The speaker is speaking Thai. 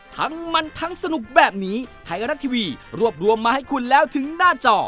ทั้งมันทั้งสนุกแบบนี้ไทยรัฐทีวีรวบรวมมาให้คุณแล้วถึงหน้าจอ